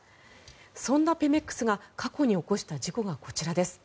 そんなペメックスが過去に起こした事故がこちらです。